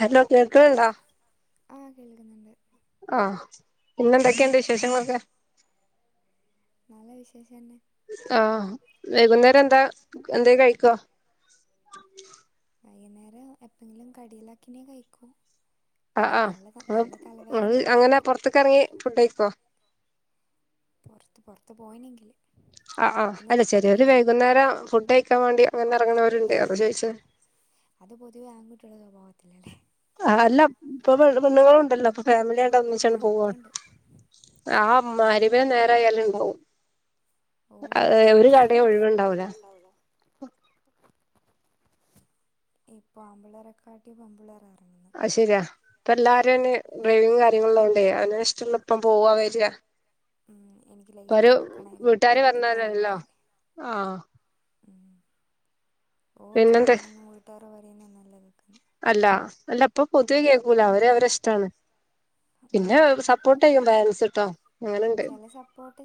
Hello കേൾക്കണുണ്ടാ ആ കേൾക്കുന്നുണ്ട് ആ പിന്നെന്തൊക്കെയുണ്ട് വിശേഷങ്ങളൊക്കെ നല്ല വിശേഷംതന്നെ ആ വൈകുന്നേരം എന്താ എന്താ കഴിക്ക വൈകുന്നേരം എപ്പോെങ്കിലും കടയിലാക്കിനേ കഴിക്കോ ആ ആ അങ്ങനെ പുറത്തേക്ക് ഇറങ്ങി ഫുഡ് കഴിക്കോ പുറത്ത് പുറത്ത് പോയിനെങ്കില് ആ ആ അല്ലെ ശെരി ഒരു വൈകുന്നേരം ഫുഡ് ക്കാൻ വേണ്ടി അങ്ങനെ ഇറങ്ങണവരുണ്ട് അതോ ചോയിച്ചത് അത് പൊതുവേ ആൺകുട്ടി കളുടെ സ്വഭാവത്തിലല്ലേ ആ അല്ല ഇപ്പൊ പെണ്ണുങ്ങളും ഉണ്ടല്ലോ അപ്പൊ ഫാമിലി ഒന്നിച്ചാണ് പോവ ആ മഹ്രിബിന്റെ നേര ആയാലും ഉണ്ടാവും ഒരു കട ഒഴിവുണ്ടാവൂല ഇപ്പൊ ആമ്പിളാരെകാട്ടിപെൺമ്പിളെര അ ശരിയാ അപ്പൊ എല്ലാരുംന് ഡ്രൈവിങ് കാര്യങ്ങളള് കൊണ്ട അ ഇഷ്ടുള്ള ഇപ്പ പോവാ വരിയാ ഉ എനിക്ക് ലൈസൻസ് എടുക്കണായിരുന്നു എടുത്തിട്ട് വേണം പറയാൻ ഓ ചെലവാണൊന്നും പോയിട്ട അല്ലാ അല്ല അപ്പൊ പൊതുവേ കേക്കൂല അവരെ അവരെ ഇഷ്ടാണ് പിന്നെ സപ്പോ ട്ട് ഹ്യൂമാൻസ്ട്ടോ ചില സപ്പോർട്ട്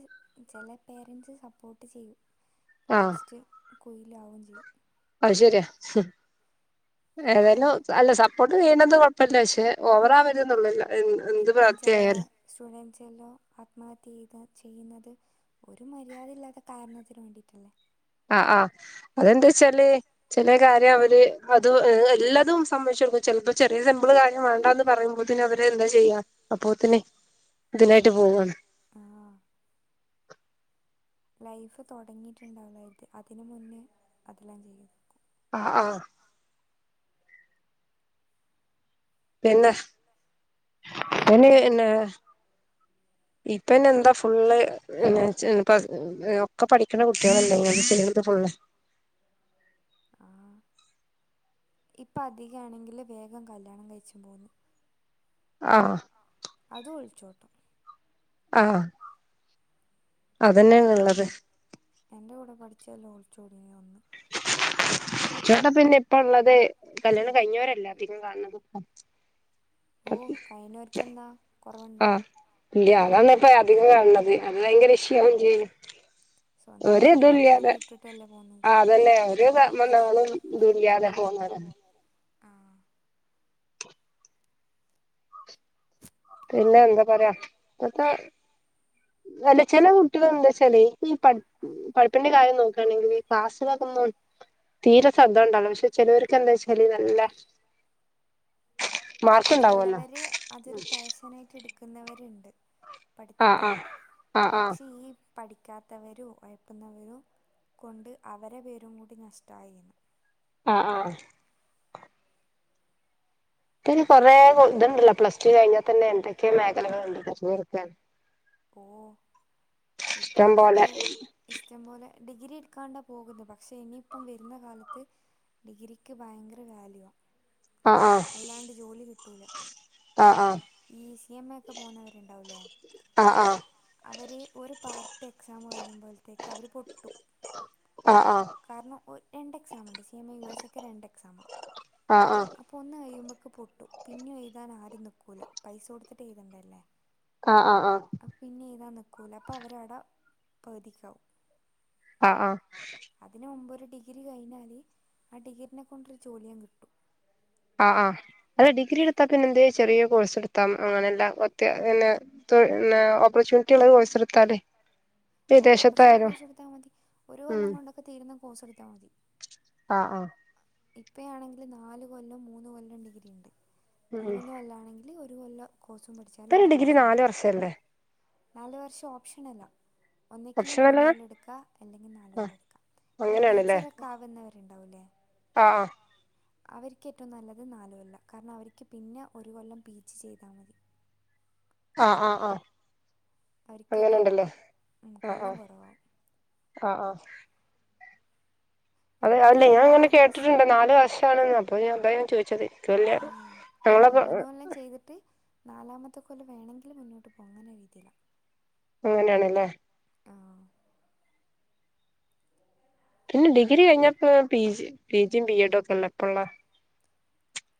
ചില പേരന്റ്സ് സപ്പോർട്ട് ചെയ്യും ലാസ്റ്റ് കൊയില ആവുകയും ചെയ്യും ശരിയാ ഏതായാലും അല്ല സപ്പോർട്ട് ചെയ്യണത് കുഴപ്പില്ല പക്ഷെ ഓവർ ആവരുത് എന്നുള്ളൂ എല്ലാം ഇപ്പം ചില സ്റ്റുഡന്റ്സെല്ലാം ആത്മഹത്യ ചെയ്ത് ചെയ്യുന്നത് ഒരു മര്യാദയില്ലാത്ത കാരണത്തിന് വേണ്ടിട്ടല്ലേ ആ ആ അതെന്താ വച്ചാല് ചെല കാര്യം അവര് അത് എല്ലാതും സംഭവിച്ച കൊടുക്കു ചിലപ്പോ ചെറിയ സിമ്പിള് കാര്യം വേണ്ടന്ന് പറയുമ്പോത്തെ അവര് എന്താ ചെയ്യാം അപ്പോ തന്നെ ഇതിനായിട്ട് പോവാണ് ആ ലൈഫ് തുടങ്ങിയിട്ടുണ്ടാവലോ ഇത് അതിന് മുന്നേ അതെല്ലാം ചെയ്യും ആഹ് ആഹ് പിന്നെ പിൻ പിന്നെ ഇപ്പന്നെ എന്താ ഫുള്ള് ഒക്കെ പഠിക്കണ കുട്ടികളല്ലേ ഇങ്ങനെ ചെയ്ണത് ഫുള്ള് ഇപ്പ അധികയാണെങ്കില് വേഗം കല്യാണം കഴിച്ചും പോകുന്നു ആ അതും ഒളിച്ചോട്ടം ആഹ് അതന്നെയാണ് ഉള്ളത് എന്റെ കൂടെ പഠിച്ച ലോൾച്ചോടിന് അന്ന് ചേട്ടാ പിന്നെ ഇപ്പ ഉള്ളത് കല്യാണം കഴിഞ്ഞവരല്ല പിന്നെ കാണുന്നതും ഉം ഓ കയിഞ്ഞവർക്ക് എന്ന കുറവണ്ടാ ഇല്ല അതാണ് ഇപ്പ അധികം കാണത് അത് ഭയങ്കര ഇഷും ആവും ചെയ്യും ഒരേ ഇതുല്യാതെ ആ അതന്നെ ഒരേന്നാളും ഇതുല്യാതെ പോണോരാണ് പിന്നെ എന്താ പറയാ ചെല കുട്ടികൾ എന്താച്ചല് ഈ പഠിപ്പിന്റെ കാര്യം നോക്കുകയാണെങ്കിൽ ക്ലാസ്സിലൊക്കെ ഒന്നും തീരെ ശ്രദ്ധ ഉണ്ടല്ലോ പക്ഷെ ചെലവർക്ക് എന്താ വെച്ചാല് നല്ല മാർക്കുണ്ടാവല്ലോ ആയിട്ട് എടുക്കുന്നവരുണ്ട് പഠിത്തത്തിന് പക്ഷേ ഈ- പഠിക്കാത്തവരോ ഉഴപ്പുന്നവരോ കൊണ്ട് അവരെ പേരും കൂടി നഷ്ടമായിന്ന് ആഹ് ആഹ് പിന് കൊറെ ഇതുണ്ടല്ല പ്ലസ് ടു കഴിഞ്ഞാൽ തന്നെ എന്തൊക്കെയ മേഖലകളുണ്ട് തെരഞ്ഞെടുക്കാൻ ഓ ഇപ്പ അധികോ ഇഷ്ടം പോലെ ഡിഗ്രി എടുക്കാണ്ടാ പോകുന്ന് പക്ഷേ ഇനിയിപ്പം വരുന്ന കാലത്ത് ഡിഗ്രിക്ക് ഭയങ്കര വാല്യൂവാ അതിലാണ്ട് ജോലി കിട്ടൂല ഈ സി എം ഒക്കെ പോന്നവരുണ്ടാവൂല്ലേ അവര് ഒരു പാർട്ട് എക്സാം വഴിയുമ്പോഴത്തേക്ക് അവര് പൊട്ടു കാരണം രണ്ട് എക്സാം ഉണ്ട് [unintelligible] യു എസ് ഏക്ക് രണ്ട് എക്സാമ അപ്പൊ ഒന്ന് കഴിയുമ്പ [unintelligible] പൊട്ടും പിന്നും എഴുതാൻ ആരും നിക്കൂല പൈസ കൊടുത്തിട്ട് എഴുതേണ്ടയല്ലേ ആ പിന്നെ ഏതാ നിക്കൂല അപ്പം അവരവിടെ പകുതിക്കാവും ആ ആ ഡിഗ്രി കഴിഞ്ഞാല് ആ ഡിഗ്രീനെക്കൊണ്ടൊരു ജോലിയും കിട്ടും ആഹ് ആഹ് അല്ല ഡിഗ്രി എടുത്താ പിന്നെ എന്തേയ്‌ ചെറിയ കോഴ്സ് എടുത്താം അങ്ങനെല്ല [unintelligible] ഓപ്പർച്യൂണിറ്റി ഉള്ള കോഴ്സ് എടുത്താലേ ഓഹ് ഓപ്പറേഷന്റെ കോഴ്സ് എടുത്താൽ മതി. ഒരു കൊല്ലം കൊണ്ടൊക്കെ തീരുന്ന കോസെട്ത്താ മതി ആഹ് ആഹ് ഇപ്പയാണെങ്കിൽ നാല് കൊല്ലം മൂന്ന് കൊല്ലം ഡിഗ്രി ഇണ്ട് മൂന്നുകൊല്ലാണെങ്കില് ഒ കോഴ്സും പഠിച്ചാല് നല്ല ജോലി കിട്ടും നാല് വർഷം ഓപ്ഷനല്ലാ ഒന്നെകില് മൂന്ന് കൊല്ലെട്ക്കാ അല്ലെങ്കി നാല് കൊല്ലെട്ക്കാ ഈ ടീച്ചറൊക്കെ ആവ്ന്നവര്ണ്ടാവൂലേ ആഹ് അവര്ക്കേറ്റവും നല്ലത് നാലുകൊല്ലാ കാരണം അവരിക്ക് പിന്നെ ഒര് കൊല്ലം പീജി ചെയ്താ മതി ആഹ് ആഹ് ആഹ് അവര്ക്ക് കൊറവാ ഉം കൊല്ലം കൊറവാവും ആഹ് ആഹ് അതെ അതല്ലെ ഞാൻ ങ്ങനെ കേട്ട്ട്ട്ണ്ട് നാല് വർഷ് [unintelligible] അപ്പോ ഞാൻ അതാ ഞാൻ ചോയ്ച്ചത് ആഹ് അല്ല മൂന്ന് കൊല്ലം ചെയ്ത്ട്ട് നാലാമത്തെ കൊല്ലം വേണെങ്കില് മുന്നോട്ട്പോ ങ്ങനെ രീതിയിലാ അങ്ങനാണ്ല്ലെ പിന്നെ ഡിഗ്രി കഴിഞ്ഞപ്പ പീജി പീജിയും ബിഎഡും ഒക്കെല്ലെ പ്പള്ളെ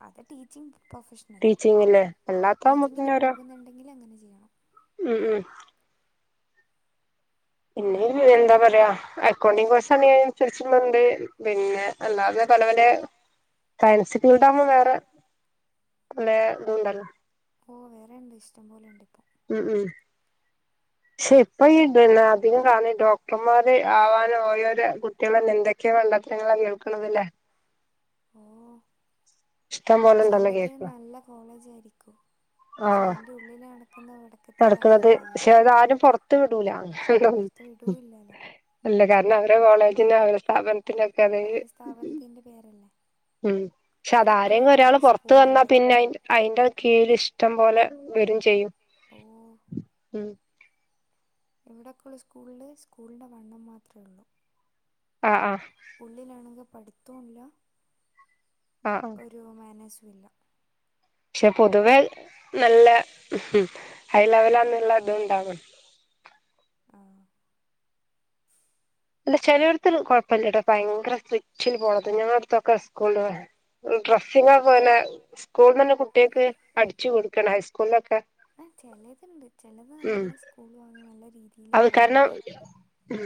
അത് ടീച്ചിങ്ങ് പ്രൊഫ്ഷ്ണല് ടീച്ചിങ്ങിന് പോക്ന്ന്ണ്ടെങ്കിലങ്ങനെ ഉം ഉം പിന്നെ എന്താ പറയാ അക്കൗണ്ടിങ് കോഴ്സ്ണ്നുസരിച്ചിണ്ട് പിന്നെ അല്ലാതെ പലപല സയൻസിൻ ഫീൽഡാകുംപോ വേറെ ആകുമ്പോ വേറെല്ല ഇതണ്ടല്ലോ ഓ വേറെ ഇണ്ട് ഇഷ്ടം പോലെ ഇണ്ടിപ്പോ ഉം ഉം പക്ഷെ ഇപ്പൊ ഈ അധികം കാണ ഡോക്ടർമാര് ആവാൻ ഓരോരോ കുട്ടികൾന്നെ എന്തൊക്കെയാ വേണ്ടത്തരങ്ങളാ കേൾക്കണത് ല്ലേ ഓ ചെലത് നല്ല കോളേജായി പക്ഷെ അയിന്റെ ഉള്ളിൽ അടക്കുന്ന എവിടെ നടക്കണത് പക്ഷേ അത് ആരും പൊറത്ത് വിടൂല കാരണം അവ കോളേജിന് ആ സ്ഥ്യാനം അവര് സ്ഥാപനത്തിന്റെ പേരല്ലേ ഉം ക്ഷെ അതാരങ്കിലും ഒരാള് പൊറത്ത് വന്നാ പിന്നെ അയിൻ അയിന്റെ ഈല് ഇഷ്ടം പോലെ വരും ചെയ്യും ഓഹ് ഉം ഇവിടൊക്കൊള്ള സ്കൂളില് സ്കൂളിന്റെ വണ്ണം മാത്രേള്ളു ആഹ് ആ ഉള്ളിലാണു പഠിത്തോംല്ല ഒരു മെനസു ല്ല ക്ഷെ പൊതുവെ നല്ല ഹും ഹൈ ലെവലാന്നുള്ള ഇതുംണ്ടാവണം അല്ല ചിലടത്തും കുഴപ്പില്ല്യാട്ടോ ഭയങ്കര സ്ട്രിക്റ്റില് പോണത് ഞാളടുത്തൊക്കെ സ്കൂള് [unintelligible] [unintelligible] സ്കൂൾന്ന് തന്നെ കുട്ടികക്ക് അടിച്ചു കൊടുക്കണം ഹൈസ്കൂളിലൊക്കെ ഉം അത് കാരണം ഉം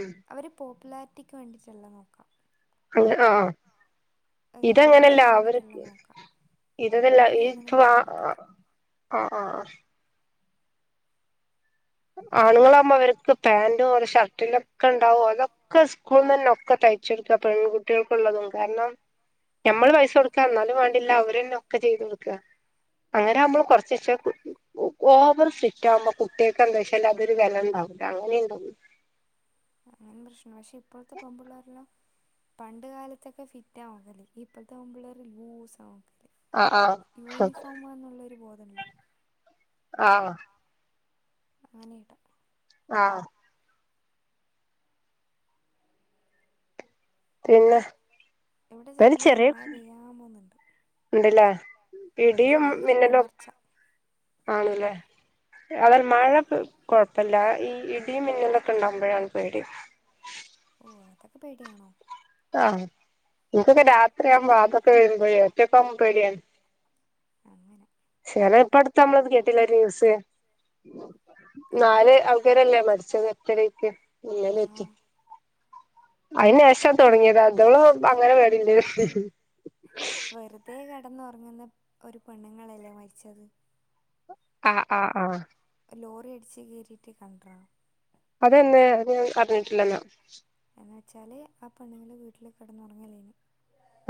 പ്ലാരിറ്റിക്ക് വേണ്ടിട്ടെല്ല നോക്കാ അല്ല ആഹ് ആഹ് ഇതെങ്ങനെല്ല അവർക്ക് ഇതതല്ല ഇത് ഇപ്പ ആഹ് ആഹ് ആഹ് ആഹ് ആണുങ്ങളാവുമ്പോ അവർക്ക് പാൻറും അവരെ ഷർട്ടിലൊക്കെണ്ടാവും അതൊക്കെ സ്കൂളിന്നന്നെ ഒക്കെ തയ്ച്ചു കൊടുക്ക പെൺകുട്ടികൾക്കുള്ളതും കാരണം ഞമ്മള് പൈസ കൊടുക്കാ എന്നാലും വേണ്ടില്ല അവര്ന്നെ ഒക്കെ ചെയ്തു കൊടുക്ക അങ്ങനെ നമ്മൾ കൊറച്ചീ ച്ചെ ഓവർ സ്ട്രിറ്റ് ആവുമ്പോ കുട്ടിയേ ക്കെന്തോച്ചാല് അതൊരു വെലേണ്ടാവില്ല അങ്ങനെ [unintelligible] പ്പോഴത്തെ പെമ്പിള്ളേരെല്ലാം പണ്ട് കാലത്തൊക്കെ ഫിറ്റാ നോക്കല് ഇപ്പഴത്തപെമ്പുള്ളേര് ലൂസാ നോക്ക ആഹ് ആഹ് ന്നുള്ളൊരു ബോധല്ല ആഹ് അങ്ങനേട്ടാ ആഹ് പിന്നെ ഇവിടെ ചെറുങ്ങനെ മയ പെയ്യാമ്പൂന്നിണ്ട് പിടിയും മിന്നലുവൊ ആണല്ലേ അവർ മഴ കൊഴപ്പമില്ല ഈ ഇടിയും മിന്നലൊക്കെണ്ടാവുമ്പോഴാണ് പേടി ഓ അതൊക്കെ പേടിയാണോ ആഹ് ഇൻക്കൊക്കെ രാത്രിയാകുമ്പോ അതൊക്കെ വരുമ്പഴേ ക്കെ പ്പം പേടിയാന്ന് [unintelligible] പ്പടുത്ത് നമ്മളത് കേട്ടില്ലേ ന്യൂസ് നാല് ആൾക്കാരല്ലേ മരിച്ചത് ഒറ്റടിക്ക് ഇന്നലെറ്റും അയിനേഷം തൊടങ്ങിയത അതോളം അങ്ങനെ പേടില്ലേനു വെറുതെ കടന്നൊറങ്ങ്ന്ന ഒരു പെണ്ണ്ങ്ങളല്ലേ മരിച്ചത് ആഹ് ആഹ് ആഹ് ലോറി അടിച്ച് കേറ്റീട്ട് [unintelligible] അതെന്നെ അത് ഞാൻ അറിഞ്ഞിട്ടില്ലെന്നാ ന്നു വെച്ചാല് ആ പെണ്ണുങ്ങള് വീട്ടില് കടന്നുറങ്ങലേനും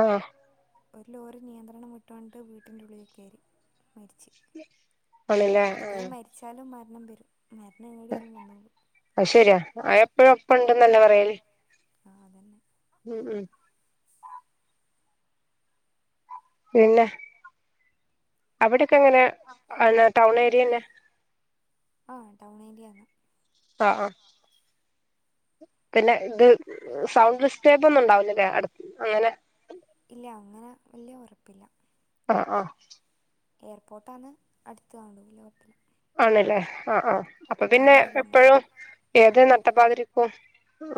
ആ ഒരു ലോറി നിയന്ത്രണം വിട്ട് വന്ന്ട്ട് വീട്ടിന്റെ ഉള്ളിലേക്ക് കേറി ആണ്ല്ലേ ആ ണം വരും അത് ശെരിയാ അത് എപ്പഴും ഒപ്പണ്ട്ന്നല്ലെ പറയല് ആ അതെന്നെ ഉം ഉം പിന്നെ അവടെക്കെ എങ്ങനെ ടൗൺ ഏരിയന്നെ ആ ടൗൺ ഏരിയാന്ന് ആ ആ പിന്നെ ഇത് സൗണ്ട് ഡിസ്റ്റേർബ് ഒന്നും ണ്ടാവൂല്ലല്ലേ അടുത്ത് അങ്ങനെ ഇല്ല അങ്ങനെ വല്യ ഒറപ്പില്ല ആ ആ എയർപോർട്ടാന്ന് അടുത്ത് ആണ്ട് വല്യ കൊഴപ്പല്ല ആണ്ല്ലേ ആ ആ അപ്പ പിന്നെ എപ്പഴും ഏത് നട്ട ട്ടപ്പാതിരക്കും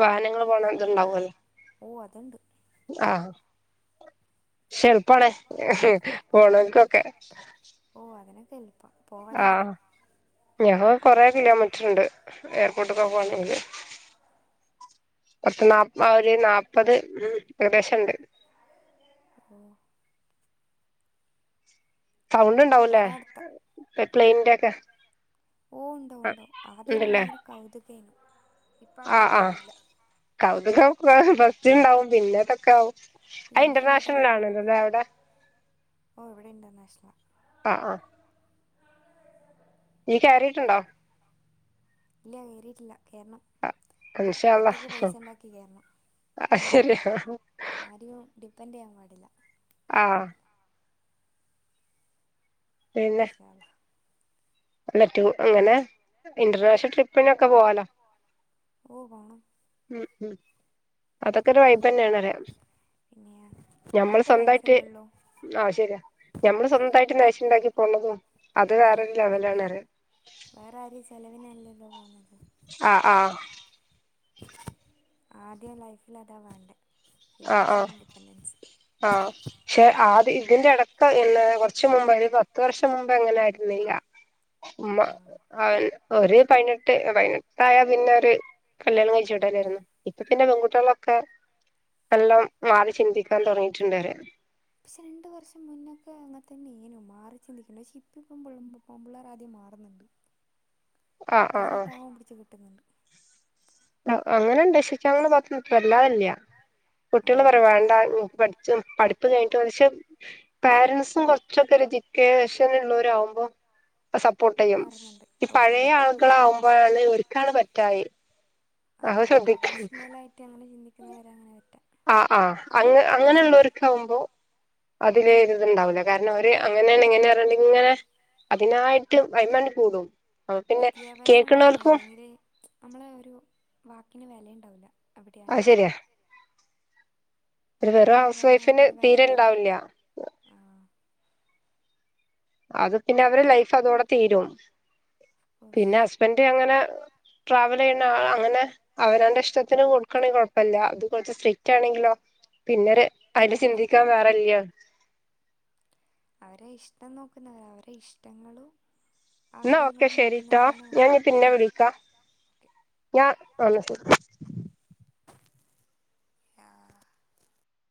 വാഹനങ്ങള് പോണ ഇതുണ്ടാവല്ലോ ഓ അത്ണ്ട് ആ ശ്ശെ ൾ പാണേ പോണോൽക്കൊക്കെ [unintelligible] പോകണായിരുന്നു ഞങ്ങക്കൊക്കെ കൊറേ കിലോമീറ്ററ്ണ്ട് എയർപോർട്ട്ക്കൊക്കെ പോവണെങ്കില് പത്ത് നാപ്പ ഒരു നാപ്പത് ഉം ഏകദേശംണ്ട് ഓ സൗണ്ട് ണ്ടാവൂലേ പ്ലെയിനിന്റെക്കെ ഓ ണ്ടാവും ണ്ടാവും ആദ്യയെല്ലം ഭയങ്കര കൗതുകേനു ഇപ്പാ കൗതുകില്ല തുകൊക്കെ ഫസ്റ്റ്ണ്ടാവും പിന്നെ ഇതൊക്കെ ആവും പിന്നെ ഇങ്ങോട്ട അങ്ങ് പോകും ഓ ഇവിടെ ഇണ്ടർ നാഷണലാ നീ കയറിയിട്ടുണ്ടോ ഇല്ല കേറിയിട്ടില്ല കേറണം ഇന്ഷാള ഹ... ആരെയും ഡിപൻ ൻ്റ് ചെയ്യാൻ പാടില്ല ആഹ് പിന്നെ അത് പറ്റും. അങ്ങനെ ഇന്റർനാഷണൽ ട്രിപ്പിന് ഒക്കെ പോവാലോ.. ഓ. പോണം. ഉ ഉം അതൊക്കെ ഒര് വൈബന്നേണ് പറിയാ. ഞമ്മൾ സ്വന്തായിട്ട് ആഹ് ശര്യാ. ഞമ്മള് സ്വന്തായിട്ട് നയ്ച്ചിണ്ടാക്കി ഉള്ളത്. അത് വേറൊരു വേറെ ആരി ചെലവിനല്ലല്ലോ. ആ ആ ആദ്യം ലൈഫിൽ അതാ വേണ്ടേ ആ ആ ആ ക്ഷെ ആദ്യെ ഇതിന്റെ എടക്ക് എന്ന് കൊർച്ച് മുമ്പ് ഒര് പത്ത് വർഷം മുമ്പ് ഇങ്ങനെ ആയ്രുന്നില്ല. ഉമ്മ അവൻ ഒരു പയിനെട്ട് പയിനെട്ടായാ പിന്നൊര് കല്യാണം കഴിച്ചു വിടലേരുന്നു. ഇപ്പൊ പിന്നെ പെൺകുട്ടിയേളൊക്കെ നല്ലൊം മാറി ചിന്തിക്കാൻ തുടങ്ങിയിട്ടുണ്ട് പറിയാ പക്ഷെ രണ്ടു വർഷം മുന്നൊക്കെ അങ്ങൻ തന്നേനു. മാറി ചിന്തിക്ക്ണ്ട്. പക്ഷേ ഇപ്പ ഇപ്പം പെൾമ്പ് പെമ്പ്ള്ളാർ ആദ്യം മാറുന്ന്ണ്ട്. പതിനെട്ടാവാം പിടിച്ചു കിട്ടുന്നുണ്ട് അങ്ങനെ ഉണ്ട്ശിച്ച അങ്ങനെ പത്ത് നിട്ട വല്ലാതില്ല കുട്ടികൾ പറിം വാണ്ട പഠി പഠിപ്പ് കഴിഞ്ഞിട്ട് പക്ഷെ പോരന്റ്സും കൊറച്ചൊക്കെ രചിക്കേഷൻ ഉള്ളവരവുമ്പോ സപ്പോർട്ട് ചെയ്യും ഈ പഴയ ആളുകള ആവുമ്പോഴാണ് ഒരിക്കാണ് പറ്റായി അതന്നെ ട്രഡീഷണൽ ആയിട്ട് അങ്ങനെ ചിന്തിക്ക ഉ ആ് ആ് അങ്ങ അങ്ങനെള്ളവർക്ക ആകുമ്പോ അതില് ഇത്ണ്ടാവൂില്ല കാരണം അവര് അങ്ങനെ ഇങ്ങനെണ്ടെങ്കിൽ ഇങ്ങനെ അതിനായിട്ട് വൈമാണ്ടി കൂടും വിദ്യാഭ്യാസം വേണം അല്ലെങ്കില് നമ്മള് ഒരു വാക്കിന് വിലയുണ്ട് ആഹ ശരിയാ ഒരു വെറു ഹൗസ് വൈഫിന് തീരെണ്ടാവില്ല അത് പിന്നെ അവര് ലൈഫ് അതോടെ തീരും പിന്നെ ഹസ്ബൻഡ് അങ്ങനെ ട്രാവൽ ചെയ്യണ അങ്ങനെ അവനന്റെ ഇഷ്ടത്തിന് കൊടുക്കണെങ്ക കൊഴപ്പമില്ല അത് കുറച്ച് സ്ട്രീറ്റ്യാണെങ്കിലോ പിന്നെര് അതില് ചിന്തിക്കാൻ വേറല്ല്യ അവരെ ഇഷ്ടം നോക്കുന്നവര് അവരെ ഇഷ്ടങ്ങളും എന്നാ ഓക്കെ ശെരിട്ടാ ഞാൻ നി പിന്നെ വിളിക്കാം ഞാ ന്നാ ശരി